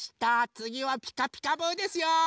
つぎは「ピカピカブ！」ですよ。